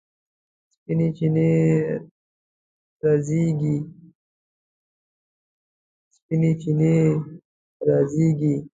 سپینې چینې رازیږي